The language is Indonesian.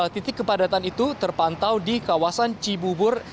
titik kepadatan itu terpantau di kawasan cibubur